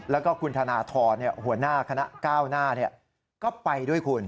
แล้วก็คุณธนทรหัวหน้าคณะก้าวหน้าก็ไปด้วยคุณ